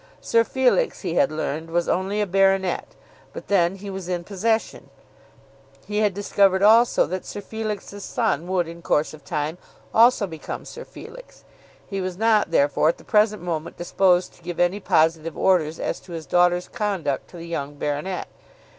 Sir Felix, he had learned, was only a baronet; but then he was in possession. He had discovered also that Sir Felix's son would in course of time also become Sir Felix. He was not therefore at the present moment disposed to give any positive orders as to his daughter's conduct to the young baronet.